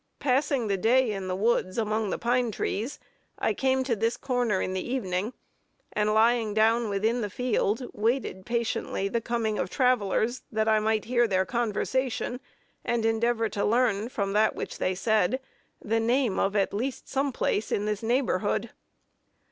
Passing the day in the woods among the pine trees, I came to this corner in the evening, and lying down within the field, waited patiently the coming of travelers, that I might hear their conversation, and endeavor to learn from that which they said, the name at least of some place in this neighborhood.